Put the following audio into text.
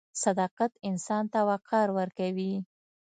• صداقت انسان ته وقار ورکوي.